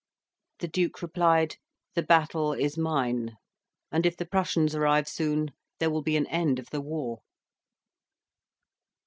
The Duke replied, "The battle is mine; and if the Prussians arrive soon, there will be an end of the war."